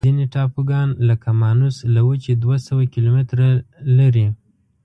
ځینې ټاپوګان لکه مانوس له وچې دوه سوه کیلومتره لري.